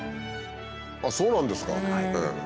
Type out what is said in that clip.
あっそうなんですか。